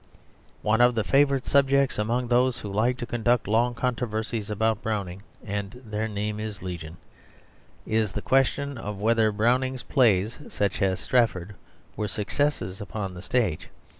One of the favourite subjects among those who like to conduct long controversies about Browning (and their name is legion) is the question of whether Browning's plays, such as Strafford, were successes upon the stage.